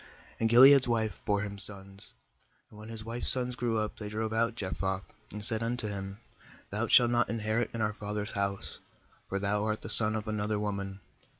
2And Gil ead's wife bore him, sons; and when bis wife's sons grew up, they drove out Jephthah, and said unto him: 'Thou shalt not inherit in our father's louse; for thou art the son of another woman.'